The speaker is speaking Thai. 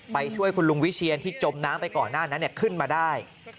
ไปช่วยคุณลุงวิเชียนที่จมน้ำไปก่อนหน้านั้นขึ้นมาได้